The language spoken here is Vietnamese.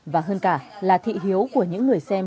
và hơn cả là thị hiếu của những người xem